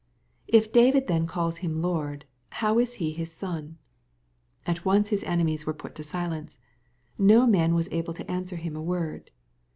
"If David then calls him Lord, how is he his son ?" At once His enemies were put to silence. "No man was able to answer him a word."